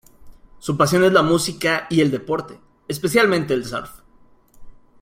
Su pasión es la música y el deporte, especialmente el surf.